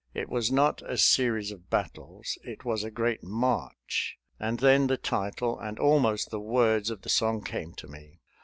It was not a series of battles it was a great march. And then the title, and almost the words, of the song came to me.